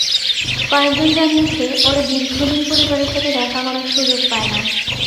কয়েকজন জানিয়েছে, ওরা দীর্ঘদিন পরিবারের সাথে দেখা করার সুযোগ পায় না।